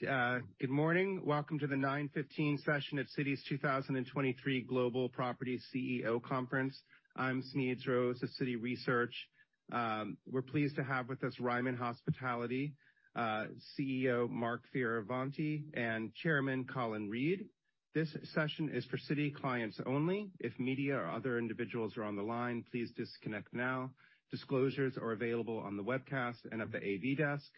Good morning. Welcome to the 9:15 A.M. session at Citi's 2023 Global Property CEO conference. I'm Smedes Rose of Citi Research. We're pleased to have with us Ryman Hospitality, CEO, Mark Fioravanti, and Chairman, Colin Reed. This session is for Citi clients only. If media or other individuals are on the line, please disconnect now. Disclosures are available on the webcast and at the AD desk.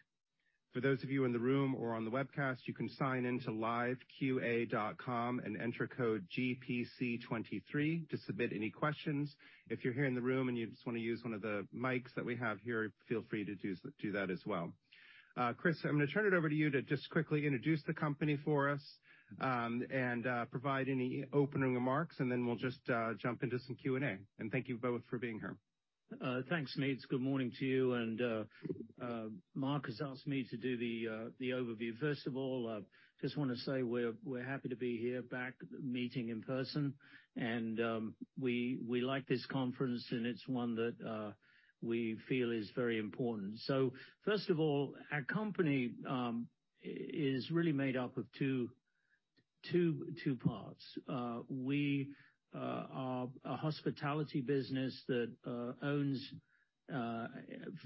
For those of you in the room or on the webcast, you can sign in to liveqa.com and enter code GPC23 to submit any questions. If you're here in the room and you just wanna use one of the mics that we have here, feel free to do that as well. Chris, I'm gonna turn it over to you to just quickly introduce the company for us, and provide any opening remarks, and then we'll just jump into some Q&A. Thank you both for being here. Thanks, Smedes. Good morning to you and Mark has asked me to do the overview. First of all, just wanna say we're happy to be here back meeting in person, and we like this conference, and it's one that we feel is very important. First of all, our company is really made up of two parts. We are a hospitality business that owns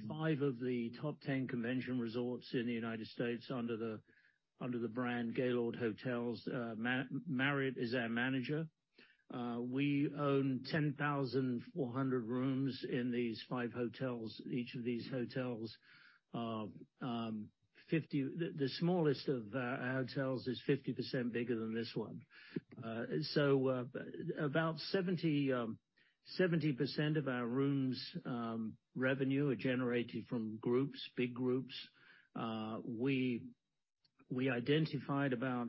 five of the top 10 convention resorts in the United States under the brand Gaylord Hotels. Marriott is our manager. We own 10,400 rooms in these five hotels. The smallest of our hotels is 50% bigger than this one. So, about 70% of our rooms' revenue are generated from groups, big groups. We identified about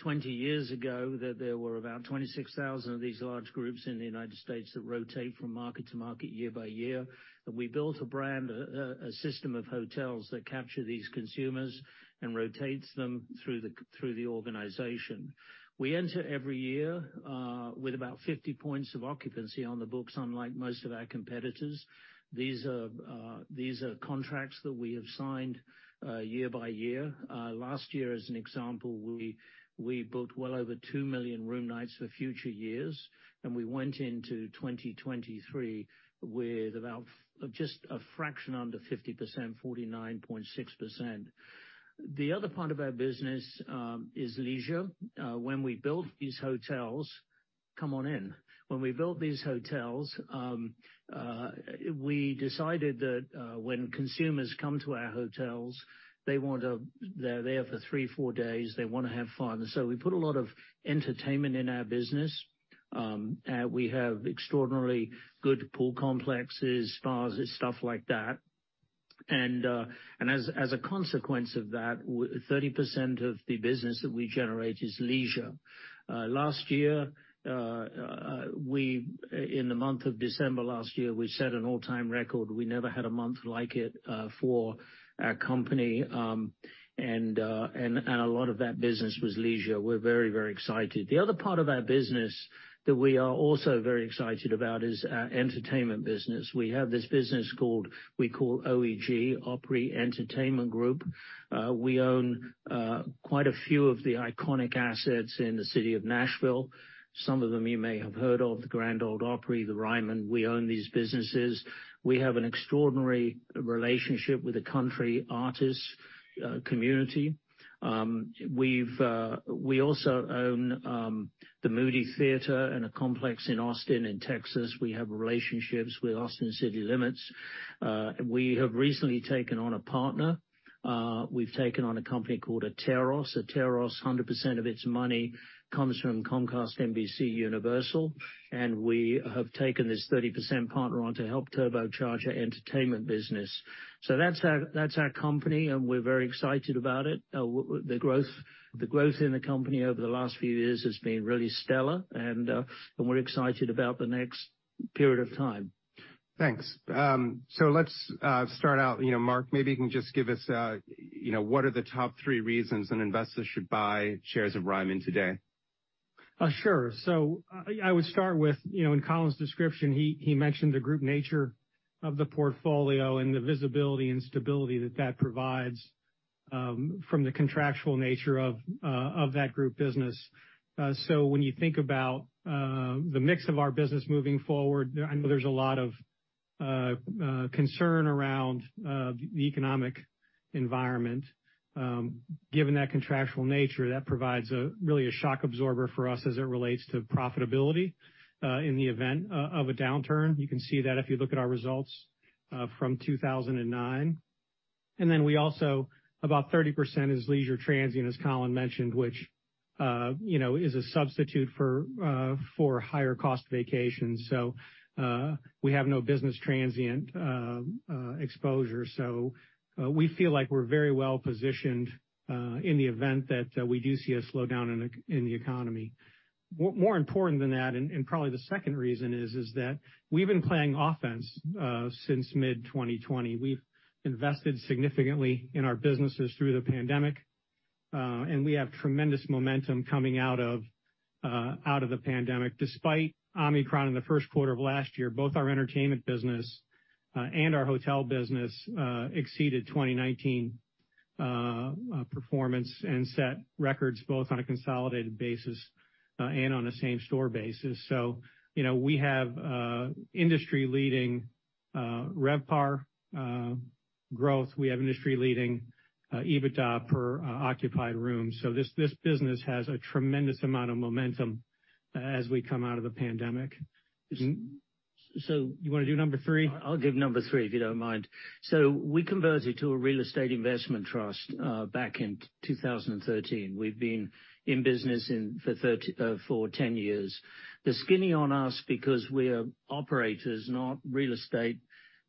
20 years ago that there were about 26,000 of these large groups in the United States that rotate from market to market year by year. We built a brand, a system of hotels that capture these consumers and rotates them through the organization. We enter every year with about 50 points of occupancy on the books, unlike most of our competitors. These are contracts that we have signed year by year. Last year, as an example, we booked well over 2 million room nights for future years, we went into 2023 with about just a fraction under 50%, 49.6%. The other part of our business is leisure. When we built these hotels. Come on in. When we built these hotels, we decided that when consumers come to our hotels, they're there for three, four days, they wanna have fun. We put a lot of entertainment in our business. We have extraordinarily good pool complexes, spas, stuff like that. As a consequence of that, 30% of the business that we generate is leisure. Last year, in the month of December last year, we set an all-time record. We never had a month like it for our company, a lot of that business was leisure. We're very, very excited. The other part of our business that we are also very excited about is our entertainment business. We have this business called, we call OEG, Opry Entertainment Group. We own quite a few of the iconic assets in the city of Nashville. Some of them you may have heard of, the Grand Ole Opry, the Ryman. We own these businesses. We have an extraordinary relationship with the country artists community. We've, we also own the Moody Theater and a complex in Austin and Texas. We have relationships with Austin City Limits. We have recently taken on a partner. We've taken on a company called Atairos. Atairos, 100% of its money comes from Comcast NBCUniversal, and we have taken this 30% partner on to help turbocharge our entertainment business. That's our company, and we're very excited about it. With the growth in the company over the last few years has been really stellar, and we're excited about the next period of time. Thanks. Let's start out. You know, Mark, maybe you can just give us, you know, what are the top three reasons an investor should buy shares of Ryman today? Sure. I would start with, you know, in Colin's description, he mentioned the group nature of the portfolio and the visibility and stability that that provides from the contractual nature of that group business. When you think about the mix of our business moving forward, I know there's a lot of concern around the economic environment. Given that contractual nature, that provides a really a shock absorber for us as it relates to profitability in the event of a downturn. You can see that if you look at our results from 2009. We also, about 30% is leisure transient, as Colin mentioned, which, you know, is a substitute for higher cost vacations. We have no business transient exposure. We feel like we're very well-positioned, in the event that, we do see a slowdown in the economy. More important than that, and probably the second reason is that we've been playing offense, since mid-2020. We've invested significantly in our businesses through the pandemic, and we have tremendous momentum coming out of Out of the pandemic, despite Omicron in the first quarter of last year, both our entertainment business and our hotel business exceeded 2019 performance and set records both on a consolidated basis and on a same store basis. You know, we have industry leading RevPAR growth. We have industry leading EBITDA per occupied rooms. This business has a tremendous amount of momentum, as we come out of the pandemic. You wanna do number 3? I'll give number three, if you don't mind. We converted to a real estate investment trust back in 2013. We've been in business for 10 years. The skinny on us because we are operators, not real estate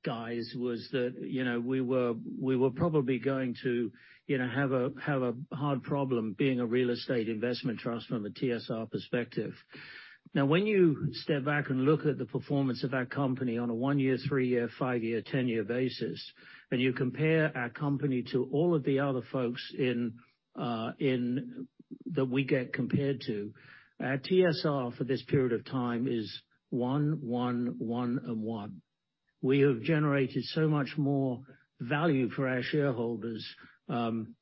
guys, was that, you know, we were probably going to, you know, have a hard problem being a real estate investment trust from a TSR perspective. When you step back and look at the performance of our company on a one year, three year, five year, 10 year basis, and you compare our company to all of the other folks that we get compared to, our TSR for this period of time is one, one, and one. We have generated so much more value for our shareholders. One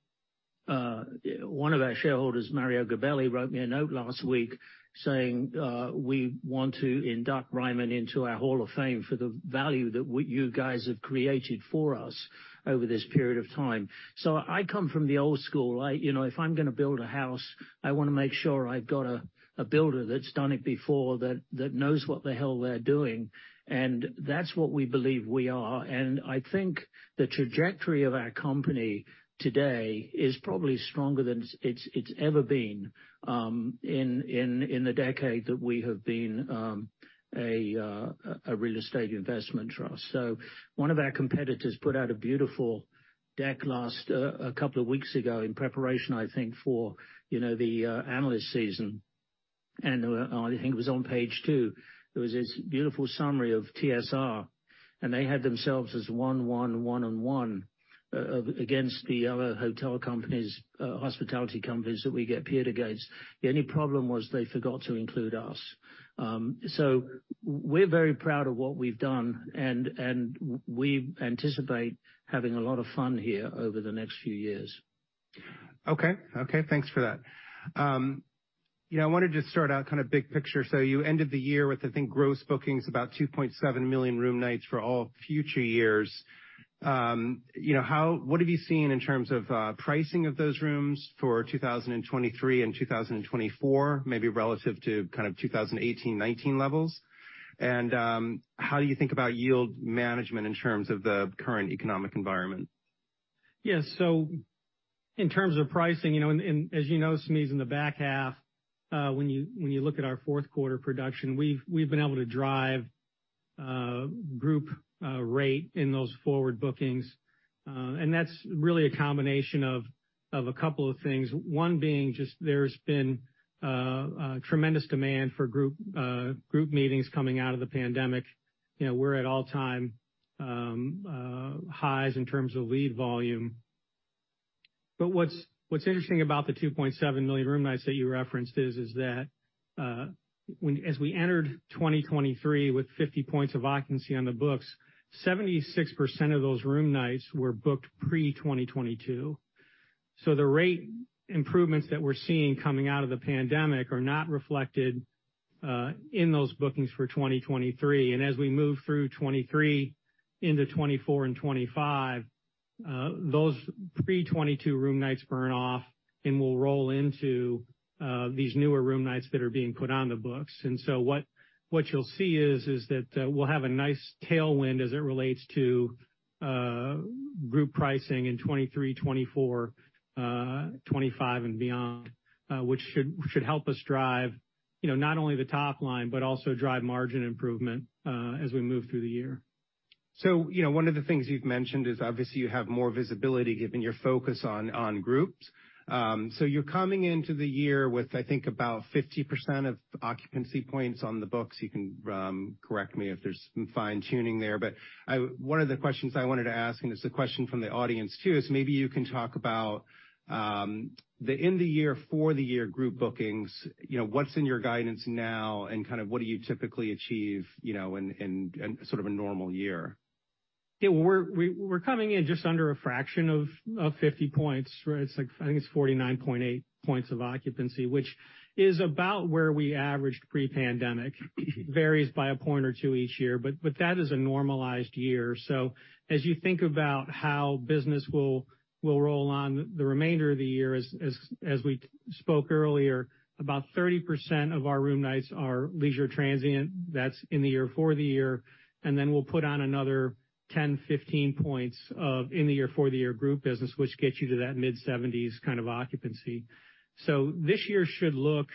of our shareholders, Mario Gabelli, wrote me a note last week saying, "We want to induct Ryman into our hall of fame for the value that what you guys have created for us over this period of time." I come from the old school. I, you know, if I'm gonna build a house, I wanna make sure I've got a builder that's done it before that knows what the hell they're doing, and that's what we believe we are. I think the trajectory of our company today is probably stronger than it's ever been in the decade that we have been a real estate investment trust. One of our competitors put out a beautiful deck last a couple of weeks ago in preparation, I think, for the analyst season, and I think it was on page two. There was this beautiful summary of TSR, and they had themselves as one of against the other hotel companies, hospitality companies that we get peered against. The only problem was they forgot to include us. We're very proud of what we've done, and we anticipate having a lot of fun here over the next few years. Okay. Okay, thanks for that. You know, I wanted to start out kind of big picture. You ended the year with, I think, gross bookings about 2.7 million room nights for all future years. You know, what have you seen in terms of pricing of those rooms for 2023 and 2024, maybe relative to kind of 2018, 2019 levels? How do you think about yield management in terms of the current economic environment? In terms of pricing, you know, and as you know, Smedes Rose, in the back half, when you look at our fourth quarter production, we've been able to drive group rate in those forward bookings, and that's really a combination of a couple of things. One being just there's been tremendous demand for group meetings coming out of the pandemic. You know, we're at all time highs in terms of lead volume. What's interesting about the 2.7 million room nights that you referenced is that as we entered 2023 with 50 points of occupancy on the books, 76% of those room nights were booked pre-2022. The rate improvements that we're seeing coming out of the pandemic are not reflected in those bookings for 2023. As we move through 2023 into 2024 and 2025, those pre-2022 room nights burn off, and we'll roll into these newer room nights that are being put on the books. What you'll see is that we'll have a nice tailwind as it relates to group pricing in 2023, 2024, 2025 and beyond, which should help us drive, you know, not only the top line, but also drive margin improvement as we move through the year. You know, one of the things you've mentioned is obviously you have more visibility given your focus on groups. You're coming into the year with, I think, about 50% of occupancy points on the books. You can correct me if there's some fine-tuning there. One of the questions I wanted to ask, and it's a question from the audience too, is maybe you can talk about the in the year, for the year group bookings. You know, what's in your guidance now, and kind of what do you typically achieve, you know, in sort of a normal year? Yeah. We're coming in just under a fraction of 50 points, right? It's like, I think it's 49.8 points of occupancy, which is about where we averaged pre-pandemic. Varies by a point or two each year, but that is a normalized year. As you think about how business will roll on the remainder of the year, as we spoke earlier, about 30% of our room nights are leisure transient, that's in the year, for the year. Then we'll put on another 10-15 points of in the year, for the year group business, which gets you to that mid-70s kind of occupancy. This year should look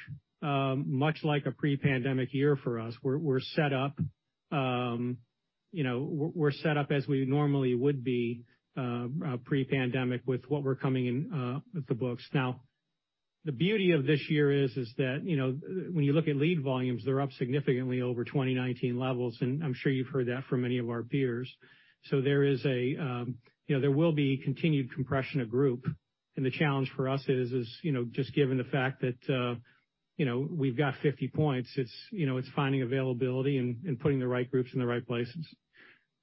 much like a pre-pandemic year for us. We're set up, you know, we're set up as we normally would be pre-pandemic with what we're coming in with the books. The beauty of this year is that, you know, when you look at lead volumes, they're up significantly over 2019 levels, and I'm sure you've heard that from many of our peers. There is a, you know, there will be continued compression of groupAnd the challenge for us is, you know, just given the fact that, you know, we've got 50 points, it's, you know, it's finding availability and putting the right groups in the right places.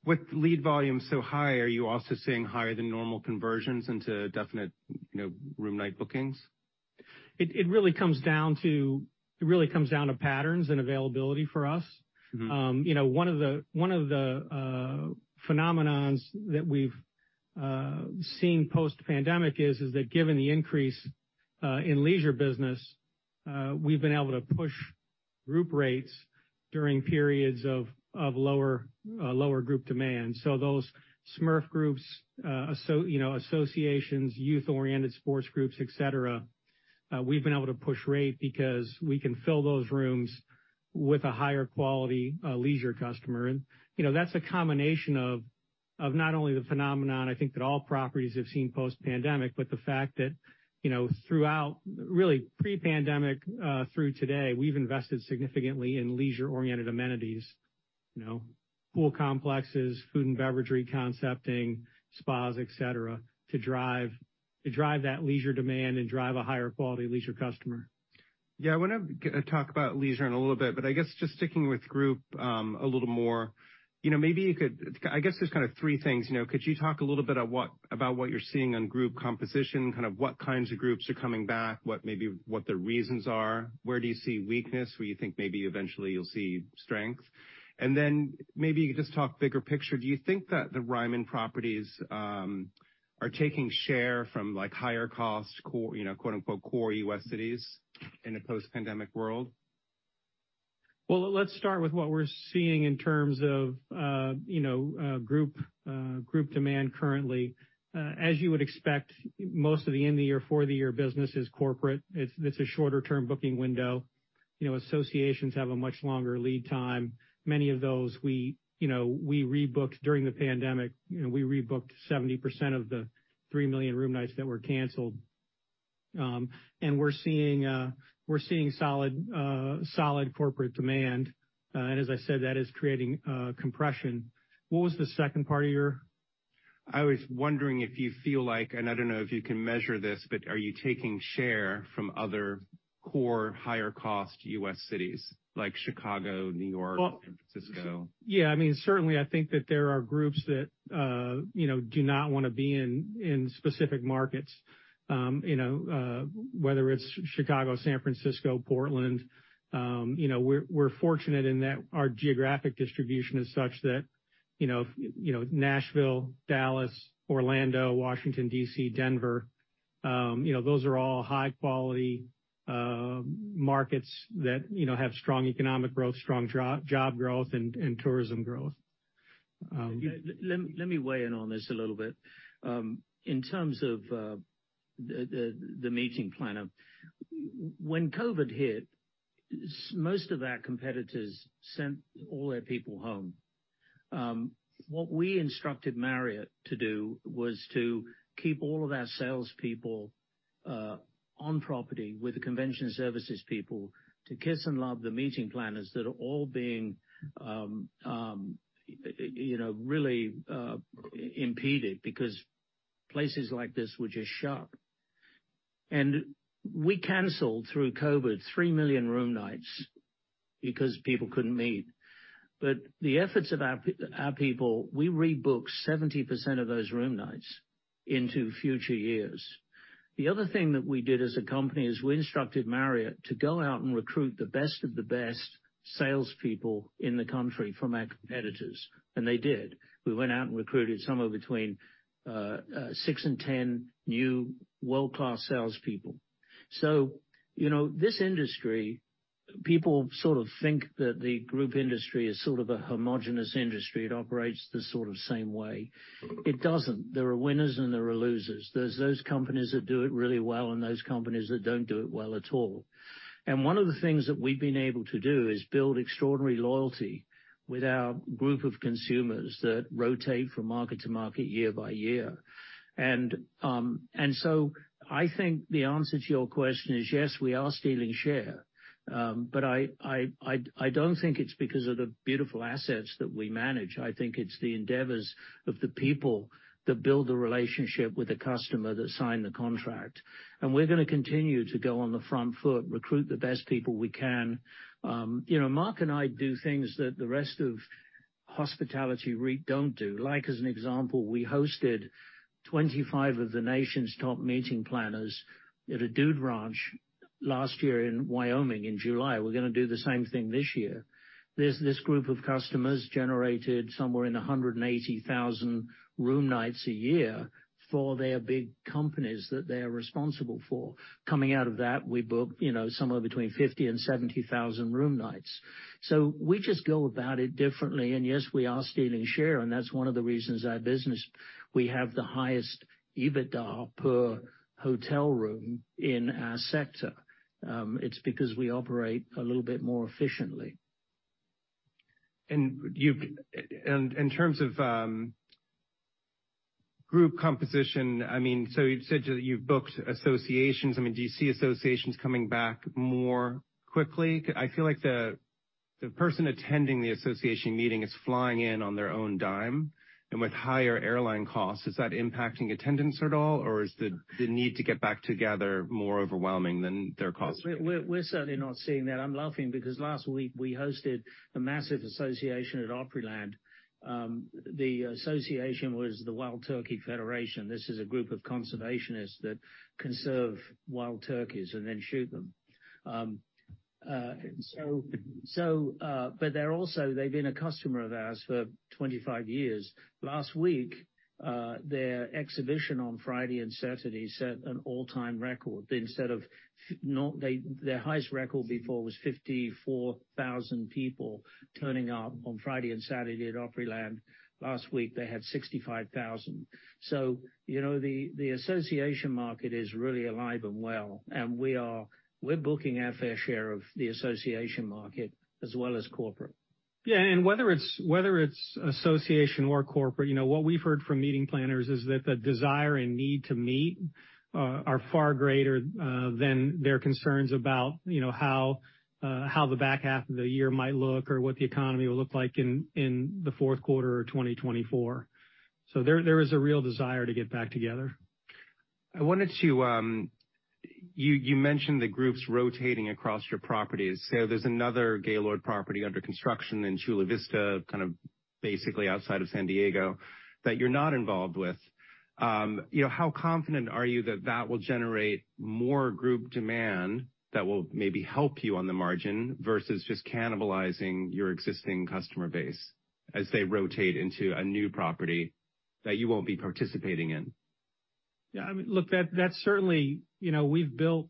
With lead volume so high, are you also seeing higher than normal conversions into definite, you know, room night bookings? It really comes down to patterns and availability for us. Mm-hmm. You know, one of the phenomenons that we've seen post-pandemic is that given the increase in leisure business, we've been able to push group rates during periods of lower group demand. Those SMERF groups, you know, associations, youth-oriented sports groups, et cetera, we've been able to push rate because we can fill those rooms with a higher quality leisure customer. You know, that's a combination of not only the phenomenon, I think that all properties have seen post-pandemic, but the fact that, you know, throughout really pre-pandemic through today, we've invested significantly in leisure-oriented amenities, you know, pool complexes, food and beverage reconcepting, spas, et cetera, to drive that leisure demand and drive a higher quality leisure customer. Yeah, I wanna talk about leisure in a little bit. I guess just sticking with group, a little more, you know. I guess there's kind of three things, you know. Could you talk a little bit on about what you're seeing on group composition, kind of what kinds of groups are coming back, what maybe, what the reasons are? Where do you see weakness, where you think maybe eventually you'll see strength? Maybe you could just talk bigger picture. Do you think that Ryman Auditorium properties are taking share from, like, higher cost core, you know, quote-unquote, core U.S. cities in a post-pandemic world? Well, let's start with what we're seeing in terms of, you know, group demand currently. As you would expect, most of the end-of-year, for-the-year business is corporate. It's a shorter term booking window. You know, associations have a much longer lead time. Many of those we, you know, we rebooked during the pandemic. You know, we rebooked 70% of the 3 million room nights that were canceled. We're seeing solid corporate demand. As I said, that is creating, compression. What was the second part of your...? I was wondering if you feel like, and I don't know if you can measure this, but are you taking share from other core higher cost U.S. cities like Chicago, New York, San Francisco? Well, yeah. I mean, certainly, I think that there are groups that, you know, do not wanna be in specific markets, you know, whether it's Chicago, San Francisco, Portland. You know, we're fortunate in that our geographic distribution is such that, you know, Nashville, Dallas, Orlando, Washington, D.C., Denver, you know, those are all high quality markets that, you know, have strong economic growth, strong job growth and tourism growth. Let me weigh in on this a little bit. In terms of the meeting planner. When COVID hit, most of our competitors sent all their people home. What we instructed Marriott to do was to keep all of our salespeople on property with the convention services people to kiss and love the meeting planners that are all being, you know, really impeded because places like this were just shut. We canceled, through COVID, 3 million room nights because people couldn't meet. The efforts of our people, we rebooked 70% of those room nights into future years. The other thing that we did as a company is we instructed Marriott to go out and recruit the best of the best salespeople in the country from our competitors, and they did. We went out and recruited somewhere between six and 10 new world-class salespeople. You know, this industry, people sort of think that the group industry is sort of a homogeneous industry. It operates the sort of same way. It doesn't. There are winners and there are losers. There's those companies that do it really well and those companies that don't do it well at all. One of the things that we've been able to do is build extraordinary loyalty with our group of consumers that rotate from market to market year by year. I think the answer to your question is yes, we are stealing share. I don't think it's because of the beautiful assets that we manage. I think it's the endeavors of the people that build the relationship with the customer that sign the contract. We're gonna continue to go on the front foot, recruit the best people we can. You know, Mark and I do things that the rest of hospitality really don't do. Like as an example, we hosted 25 of the nation's top meeting planners at a dude ranch last year in Wyoming in July. We're gonna do the same thing this year. This group of customers generated somewhere in the 180,000 room nights a year for their big companies that they are responsible for. Coming out of that, we booked, you know, somewhere between 50,000 and 70,000 room nights. We just go about it differently. Yes, we are stealing share, and that's one of the reasons our business, we have the highest EBITDA per hotel room in our sector. It's because we operate a little bit more efficiently. In terms of, I mean, group composition, you said you've booked associations. I mean, do you see associations coming back more quickly? I feel like the person attending the association meeting is flying in on their own dime and with higher airline costs. Is that impacting attendance at all? Is the need to get back together more overwhelming than their costs? We're certainly not seeing that. I'm laughing because last week we hosted a massive association at Opryland. The association was the Wild Turkey Federation. This is a group of conservationists that conserve wild turkeys and then shoot them. They've been a customer of ours for 25 years. Last week, their exhibition on Friday and Saturday set an all time record. Instead of their highest record before was 54,000 people turning up on Friday and Saturday at Opryland. Last week, they had 65,000. You know, the association market is really alive and well, and we're booking our fair share of the association market as well as corporate. Yeah. Whether it's association or corporate, you know, what we've heard from meeting planners is that the desire and need to meet are far greater than their concerns about, you know, how the back half of the year might look or what the economy will look like in the fourth quarter or 2024. There is a real desire to get back together. I wanted to, you mentioned the groups rotating across your properties. There's another Gaylord property under construction in Chula Vista, kind of basically outside of San Diego, that you're not involved with. You know, how confident are you that that will generate more group demand that will maybe help you on the margin versus just cannibalizing your existing customer base as they rotate into a new property that you won't be participating in? Yeah, I mean, look, that's certainly, you know, we've built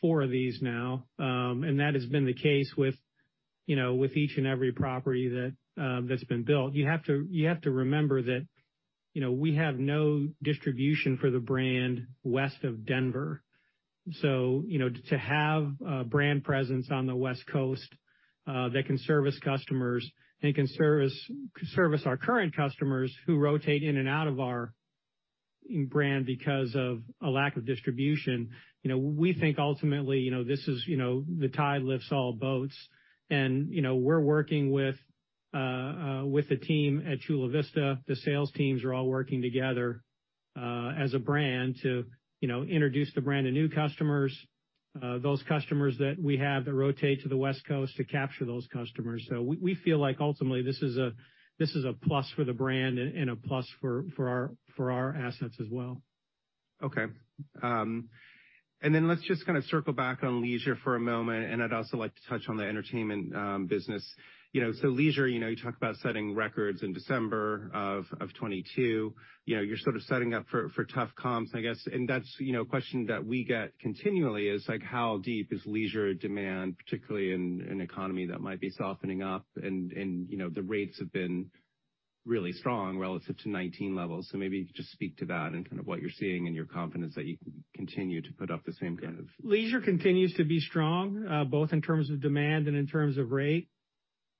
four of these now, that has been the case with, you know, with each and every property that's been built. You have to remember that, you know, we have no distribution for the brand west of Denver. You know, to have a brand presence on the West Coast that can service customers and can service our current customers who rotate in and out of our brand because of a lack of distribution, you know, we think ultimately, you know, this is, you know, the tide lifts all boats. You know, we're working with the team at Chula Vista. The sales teams are all working together, as a brand to, you know, introduce the brand to new customers, those customers that we have that rotate to the West Coast to capture those customers. We feel like ultimately, this is a plus for the brand and a plus for our assets as well. Okay. Let's just kind of circle back on leisure for a moment. I'd also like to touch on the entertainment business. You know, leisure, you know, you talk about setting records in December of 22. You know, you're sort of setting up for tough comps, I guess. That's, you know, a question that we get continually is, like, how deep is leisure demand, particularly in an economy that might be softening up? You know, the rates have been really strong relative to 19 levels. Maybe just speak to that and kind of what you're seeing and your confidence that you can continue to put up the same kind of- Leisure continues to be strong, both in terms of demand and in terms of rate.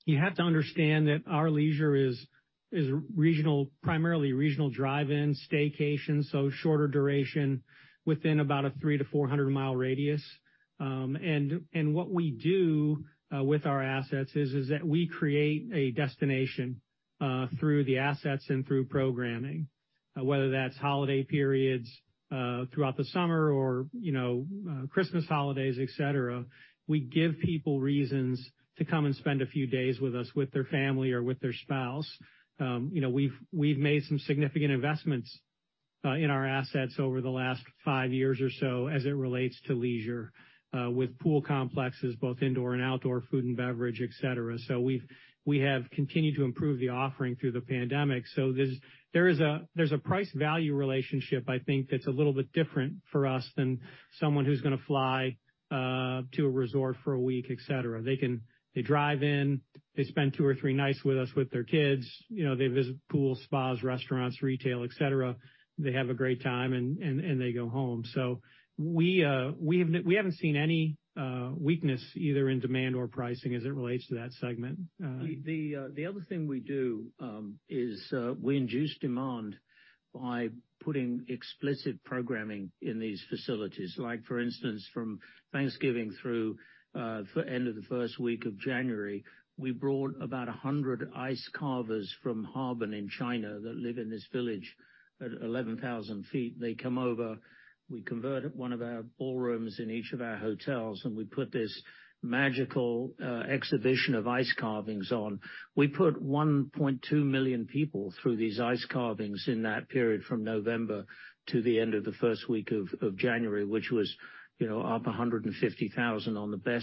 You have to understand that our leisure is regional, primarily regional drive-ins, staycations, so shorter duration within about a 300-400 mile radius. What we do with our assets is that we create a destination through the assets and through programming. Whether that's holiday periods throughout the summer or, you know, Christmas holidays, et cetera. We give people reasons to come and spend a few days with us, with their family or with their spouse. You know, we've made some significant investments in our assets over the last five years or so as it relates to leisure, with pool complexes, both indoor and outdoor, food and beverage, et cetera. We have continued to improve the offering through the pandemic. There is a price value relationship, I think, that's a little bit different for us than someone who's gonna fly to a resort for a week, et cetera. They drive in, they spend two or three nights with us with their kids. You know, they visit pools, spas, restaurants, retail, et cetera. They have a great time and they go home. We haven't seen any weakness either in demand or pricing as it relates to that segment. The other thing we do is we induce demand by putting explicit programming in these facilities. Like, for instance, from Thanksgiving through end of the first week of January, we brought about 100 ice carvers from Harbin in China that live in this village at 11,000 feet. They come over, we convert one of our ballrooms in each of our hotels, and we put this magical exhibition of ice carvings on. We put 1.2 million people through these ice carvings in that period from November to the end of the first week of January, which was, you know, up 150,000 on the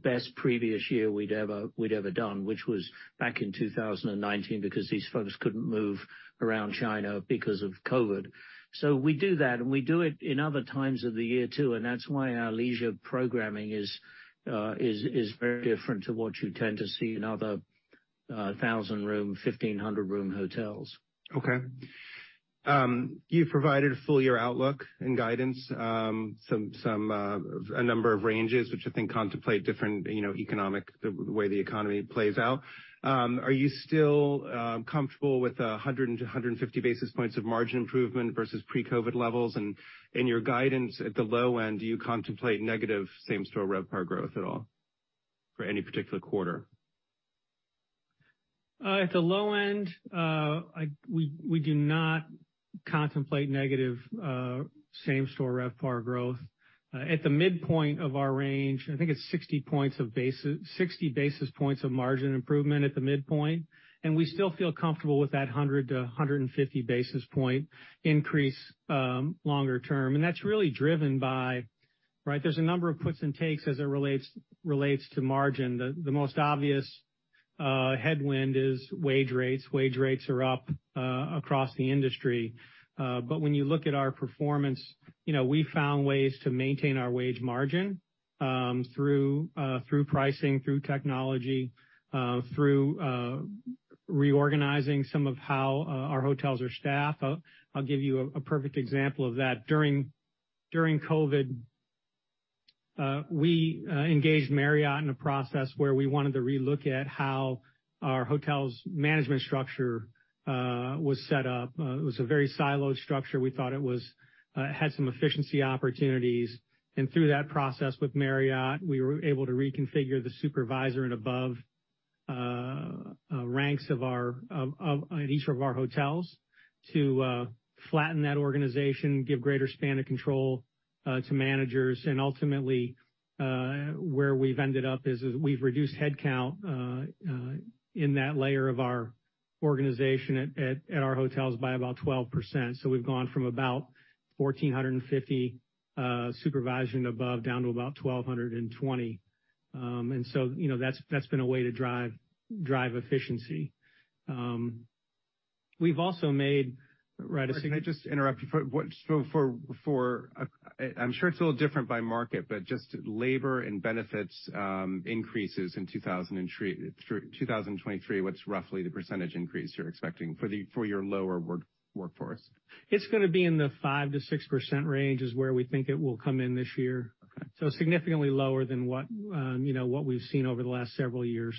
best previous year we'd ever done, which was back in 2019, because these folks couldn't move around China because of COVID. We do that, and we do it in other times of the year, too. That's why our leisure programming is very different to what you tend to see in other 1,000 room, 1,500 room hotels. Okay. You provided a full year outlook and guidance, some a number of ranges which I think contemplate different, you know, economic, the way the economy plays out. Are you still comfortable with 100 to 150 basis points of margin improvement versus pre-COVID levels? In your guidance at the low end, do you contemplate negative same store RevPAR growth at all for any particular quarter? At the low end, we do not contemplate negative same store RevPAR growth. At the midpoint of our range, I think it's 60 basis points of margin improvement at the midpoint, and we still feel comfortable with that 100-150 basis point increase longer term. That's really driven by... Right? There's a number of puts and takes as it relates to margin. The most obvious headwind is wage rates. Wage rates are up across the industry. When you look at our performance, you know, we found ways to maintain our wage margin through pricing, through technology, through reorganizing some of how our hotels are staffed. I'll give you a perfect example of that. During COVID, we engaged Marriott in a process where we wanted to relook at how our hotel's management structure was set up. It was a very siloed structure. We thought it was had some efficiency opportunities. Through that process with Marriott, we were able to reconfigure the supervisor and above ranks at each of our hotels to flatten that organization, give greater span of control to managers. Ultimately, where we've ended up is we've reduced headcount in that layer of our organization at our hotels by about 12%. We've gone from about 1,450 supervision above, down to about 1,220. You know, that's been a way to drive efficiency. We've also made, right. Can I just interrupt you for I'm sure it's a little different by market, but just labor and benefits, increases in 2023, what's roughly the percentage increase you're expecting for your lower workforce? It's gonna be in the 5%-6% range is where we think it will come in this year. Okay. Significantly lower than what, you know, what we've seen over the last several years.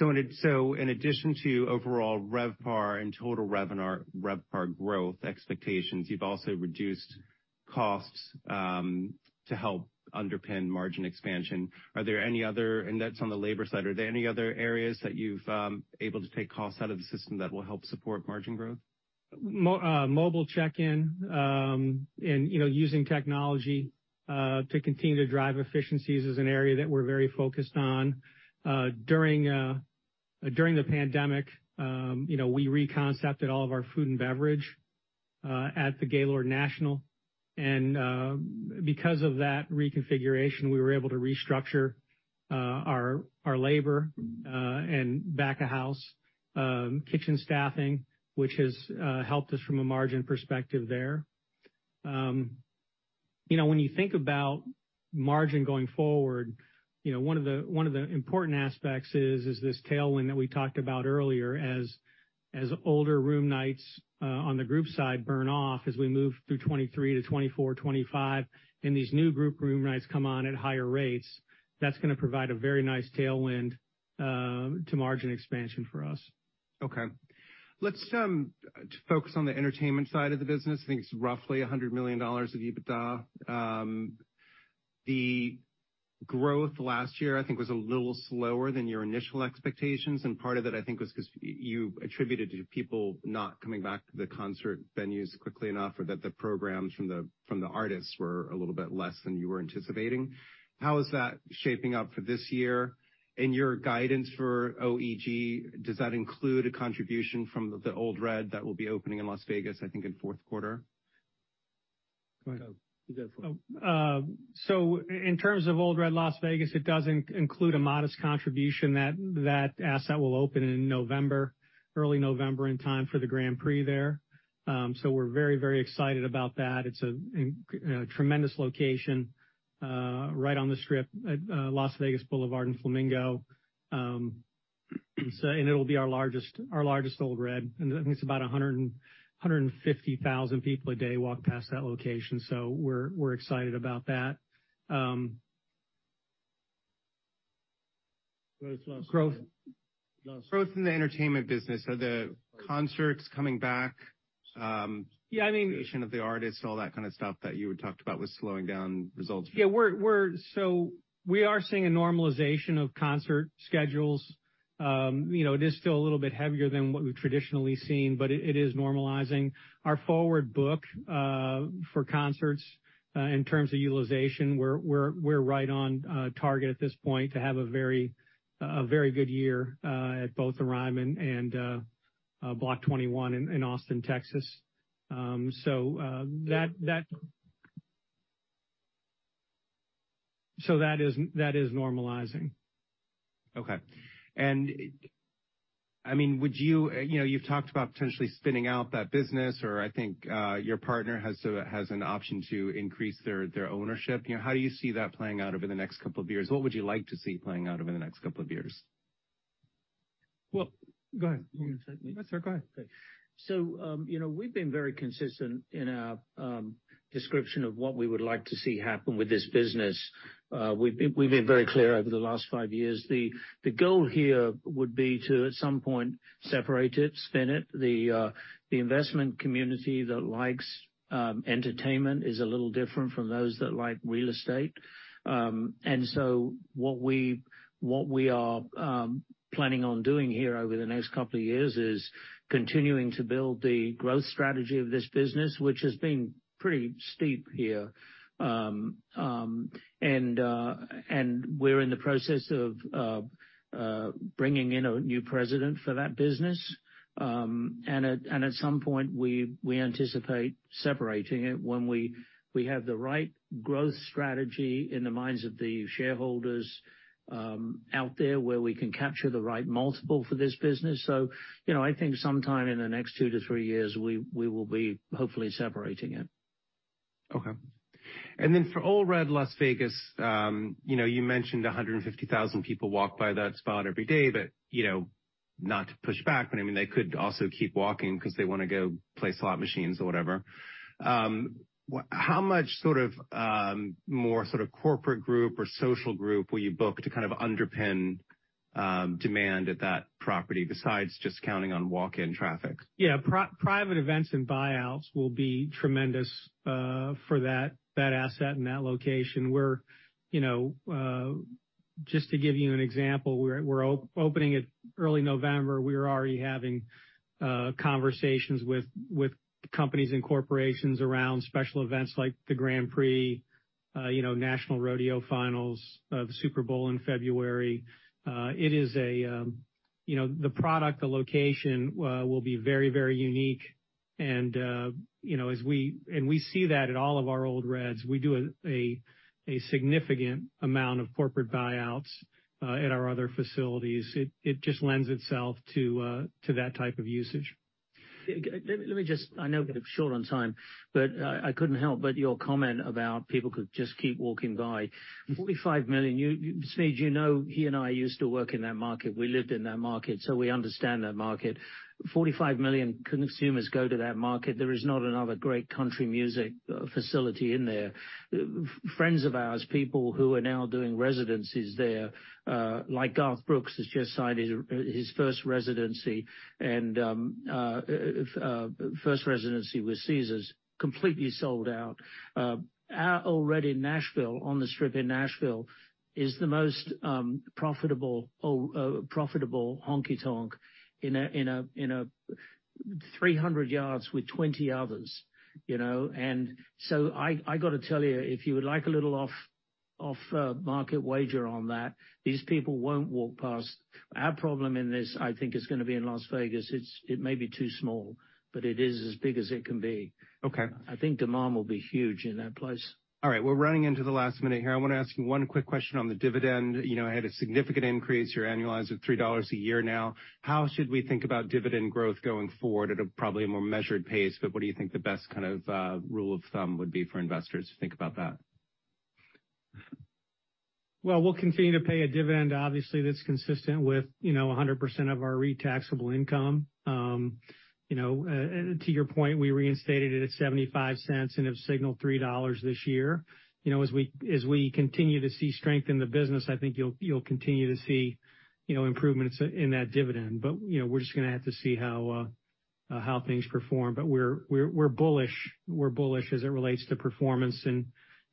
In addition to overall RevPAR and RevPAR growth expectations, you've also reduced costs to help underpin margin expansion. That's on the labor side. Are there any other areas that you've able to take costs out of the system that will help support margin growth? Mobile check-in, and, you know, using technology to continue to drive efficiencies is an area that we're very focused on. During the pandemic, you know, we reconcepted all of our food and beverage at the Gaylord National. Because of that reconfiguration, we were able to restructure our labor and back of house kitchen staffing, which has helped us from a margin perspective there. You know, when you think about margin going forward, you know, one of the important aspects is this tailwind that we talked about earlier. As older room nights, on the group side burn off as we move through 2023 to 2024, 2025, and these new group room nights come on at higher rates, that's gonna provide a very nice tailwind to margin expansion for us. Okay. Let's focus on the entertainment side of the business. I think it's roughly $100 million of EBITDA. The growth last year, I think, was a little slower than your initial expectations, and part of it, I think, was 'cause you attributed to people not coming back to the concert venues quickly enough or that the programs from the artists were a little bit less than you were anticipating. How is that shaping up for this year? In your guidance for OEG, does that include a contribution from the Ole Red that will be opening in Las Vegas, I think, in fourth quarter? Go ahead. You go for it. In terms of Ole Red Las Vegas, it does include a modest contribution. That asset will open in November, early November, in time for the Grand Prix there. We're very, very excited about that. It's a tremendous location, right on the Strip at Las Vegas Boulevard in Flamingo. It'll be our largest Ole Red, and I think it's about 150,000 people a day walk past that location. We're excited about that. Growth- Growth. Growth. Growth in the entertainment business. Are the concerts coming back? Yeah. Production of the artists, all that kind of stuff that you had talked about was slowing down results. Yeah. We're seeing a normalization of concert schedules. you know, it is still a little bit heavier than what we've traditionally seen, but it is normalizing. Our forward book for concerts in terms of utilization, we're right on target at this point to have a very good year at both The Ryman and Block 21 in Austin, Texas. that is normalizing. Okay. I mean, would you... You know, you've talked about potentially spinning out that business, or I think, your partner has an option to increase their ownership. You know, how do you see that playing out over the next couple of years? What would you like to see playing out over the next couple of years? Well. Go ahead. You wanna take this? No, sir. Go ahead. Okay. you know, we've been very consistent in our Description of what we would like to see happen with this business. we've been very clear over the last five years, the goal here would be to at some point separate it, spin it. The investment community that likes entertainment is a little different from those that like real estate. what we are planning on doing here over the next couple of years is continuing to build the growth strategy of this business, which has been pretty steep here. We're in the process of bringing in a new president for that business. At some point we anticipate separating it when we have the right growth strategy in the minds of the shareholders, out there, where we can capture the right multiple for this business. You know, I think sometime in the next 2-3 years, we will be hopefully separating it. Okay. For Ole Red Las Vegas, you know, you mentioned 150,000 people walk by that spot every day, but, you know, not to push back, but I mean, they could also keep walking 'cause they wanna go play slot machines or whatever. How much sort of, more sort of corporate group or social group will you book to kind of underpin demand at that property besides just counting on walk-in traffic? Yeah, private events and buyouts will be tremendous for that asset and that location. We're, you know, just to give you an example, we're opening it early November. We're already having conversations with companies and corporations around special events like the Grand Prix, you know, National Finals Rodeo, the Super Bowl in February. It is a, you know, the product, the location, will be very unique and, you know, we see that at all of our Ole Reds. We do a significant amount of corporate buyouts at our other facilities. It just lends itself to that type of usage. Let me just. I know we're short on time. I couldn't help but your comment about people could just keep walking by. $45 million. You, Smedes, you know, he and I used to work in that market. We lived in that market. We understand that market. $45 million consumers go to that market. There is not another great country music facility in there. Friends of ours, people who are now doing residences there, like Garth Brooks has just signed his first residency with Caesars completely sold out. Our Ole Red in Nashville, on the strip in Nashville is the most profitable honky-tonk in a 300 yards with 20 others, you know? I gotta tell you, if you would like a little off market wager on that, these people won't walk past. Our problem in this, I think, is gonna be in Las Vegas. It may be too small, but it is as big as it can be. Okay. I think demand will be huge in that place. All right, we're running into the last minute here. I wanna ask you one quick question on the dividend. You know, had a significant increase. You're annualized at $3 a year now. How should we think about dividend growth going forward at a probably a more measured pace, what do you think the best kind of rule of thumb would be for investors to think about that? We'll continue to pay a dividend, obviously, that's consistent with, you know, 100% of our REIT taxable income. You know, and to your point, we reinstated it at $0.75 and have signaled $3 this year. You know, as we continue to see strength in the business, I think you'll continue to see, you know, improvements in that dividend. You know, we're just gonna have to see how things perform. We're bullish. We're bullish as it relates to performance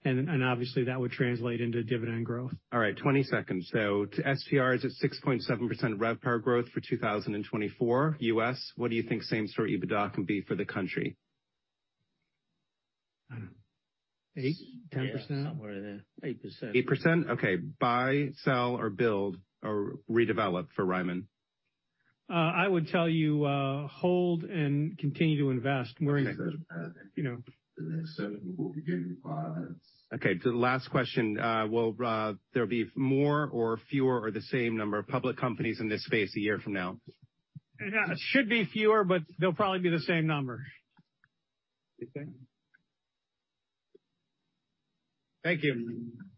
and obviously that would translate into dividend growth. All right, 20 seconds. To STR, is it 6.7% RevPAR growth for 2024 U.S.? What do you think same-store EBITDA can be for the country? 8%, 10%? Yeah, somewhere there. 8%. 8%? Okay. Buy, sell or build or redevelop for Ryman. I would tell you, hold and continue to invest. The next item. You know. The next item will begin in five minutes. Okay, the last question. There'll be more or fewer or the same number of public companies in this space a year from now? It should be fewer, but they'll probably be the same number. Okay. Thank you.